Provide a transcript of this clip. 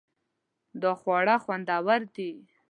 دا خواړه خوندور دي